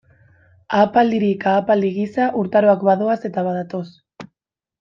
Ahapaldirik ahapaldi giza urtaroak badoaz eta badatoz.